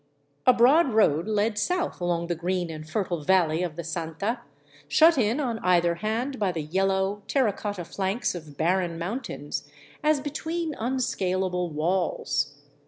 A broad road led south along the green and fertile valley of the Santa, shut in on either hand by the yellow, terra cotta flanks of barren mountains as between unscalable walls.